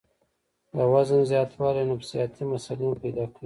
د وزن زياتوالے نفسياتي مسئلې هم پېدا کوي